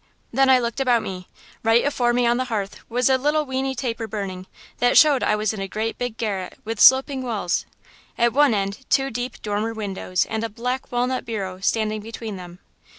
"Then I looked about me. Right afore me on the hearth was a little weeny taper burning, that showed I was in a great big garret with sloping walls. At one end two deep dormer windows and a black walnut bureau standing between them.